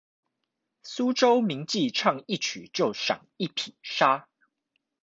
蘇州名妓唱一曲就賞一匹紗